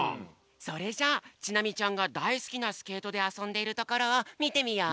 それじゃちなみちゃんがだいすきなスケートであそんでいるところをみてみよう！